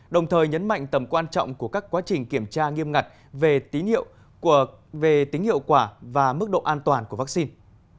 đồng thời nhấn mạnh tầm quan trọng của các quá trình kiểm tra nghiêm ngặt về tính hiệu quả và mức độ an toàn của vaccine